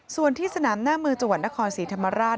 ส่วนที่สนามหน้ามือจังหวัดนครศรีธรรมราช